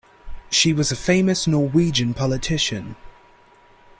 She was a famous Norwegian politician.